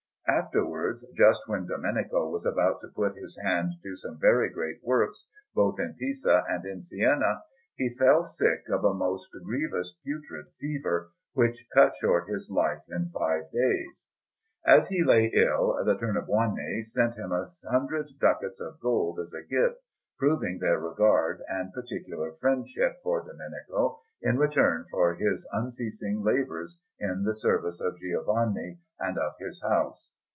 Afterwards, just when Domenico was about to put his hand to some very great works both in Pisa and in Siena, he fell sick of a most grievous putrid fever, which cut short his life in five days. As he lay ill, the Tornabuoni sent him a hundred ducats of gold as a gift, proving their regard and particular friendship for Domenico in return for his unceasing labours in the service of Giovanni and of his house.